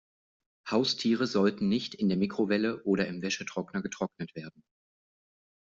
Haustiere sollten nicht in der Mikrowelle oder im Wäschetrockner getrocknet werden.